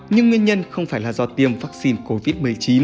nhưng nguyên nhân không phải là do tiêm vaccine covid một mươi chín